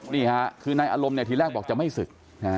นี่ค่ะคือในอารมณ์ทีแรกบอกจะไม่ศึก